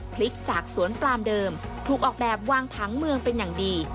พริกจากสวนปลามเดิมถูกออกแบบวางผังเมืองเป็นอย่างดี